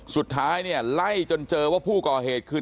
สุดท้ายเนี่ยไล่จนเจอว่าผู้ก่อเหตุคือ